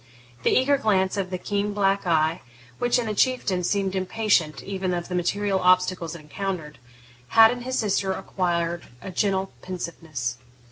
The eager glance of the keen black eye, which, in the Chieftain, seemed impatient even of the material obstacles it encountered, had in his sister acquired a gentle pensiveness.